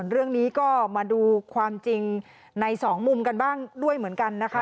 เรื่องนี้ก็มาดูความจริงในสองมุมกันบ้างด้วยเหมือนกันนะคะ